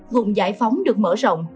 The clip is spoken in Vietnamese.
vùng giải phóng được mở rộng